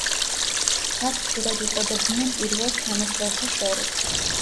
მას ხშირად უწოდებდნენ „პირველს თანასწორთა შორის“.